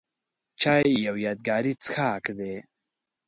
چای یو یادګاري څښاک دی.